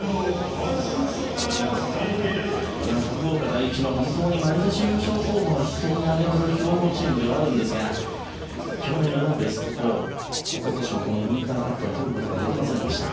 福岡第一は本当に毎年優勝候補の筆頭に挙げられる強豪チームではあるんですが去年はベスト４おととしもウインターカップは取ることができませんでした。